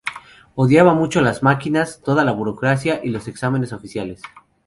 Odiaba mucho las máquinas, toda la burocracia y los exámenes oficiales.